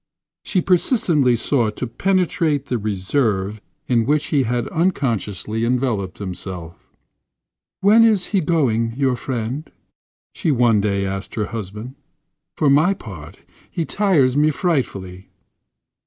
She persistently sought to penetrate the reserve in which he had unconsciously enveloped himself. "When is he going—your friend?" she one day asked her husband. "For my part, he tires me frightfully."